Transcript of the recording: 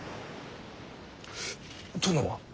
殿は？